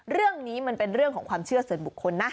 เรื่องนี้มันเป็นเรื่องของความเชื่อส่วนบุคคลนะ